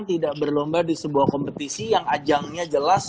tidak berlomba di sebuah kompetisi yang ajangnya jelas